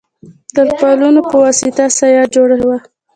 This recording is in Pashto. د تر پالونو په وسطه سایه جوړه وه.